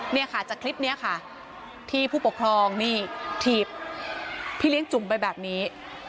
เนี่ยค่ะจากคลิปนี้ค่ะที่ผู้ปกครองนี่ถีบพี่เลี้ยงจุ่มไปแบบนี้